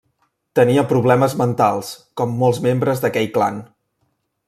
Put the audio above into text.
Tenia problemes mentals, com molts membres d'aquell clan.